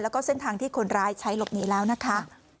แล้วก็เส้นทางที่คนร้ายใช้หลบหนีแล้วนะคะ